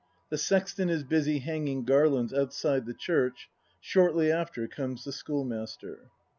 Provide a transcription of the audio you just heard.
The Sexton is busy hanging garlands outside the Church; shortly after comes the Schoolmaster.